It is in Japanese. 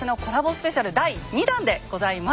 スペシャル第２弾でございます。